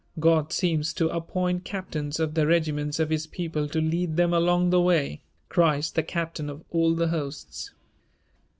God seems to appoint captains of the regiments of His people to lead them along the way, Christ the captain of all the hosts.